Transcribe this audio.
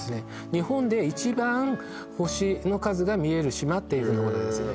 日本で一番星の数が見える島っていうところですね